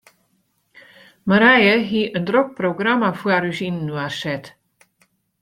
Marije hie in drok programma foar ús yninoar set.